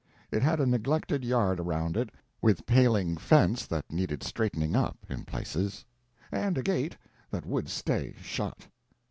It had a neglected yard around it, with paling fence that needed straightening up, in places, and a gate that would stay shut.